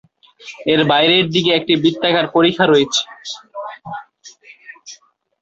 এর বাইরের দিকে একটি বৃত্তাকার পরিখা রয়েছে।